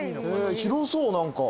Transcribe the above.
広そう何か。